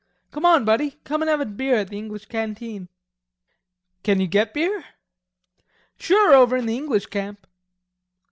Come on, buddy, come and have a beer at the English canteen." "Can you get beer?" "Sure, over in the English camp."